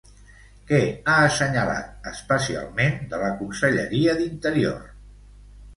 Què ha assenyalat, especialment, de la conselleria d'Interior?